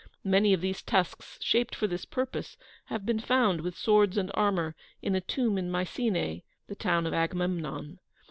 Many of these tusks, shaped for this purpose, have been found, with swords and armour, in a tomb in Mycenae, the town of Agamemnon.